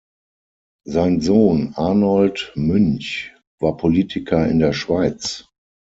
Sein Sohn Arnold Münch war Politiker in der Schweiz.